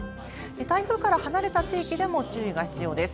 台風から離れた地域でも注意が必要です。